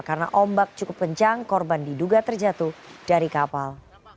karena ombak cukup pencang korban diduga terjatuh dari kapal